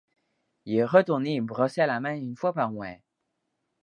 Il est retourné et brossé à la main une fois par mois.